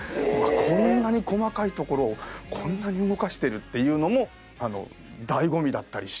こんなに細かいところをこんなに動かしてるっていうのも醍醐味だったりします。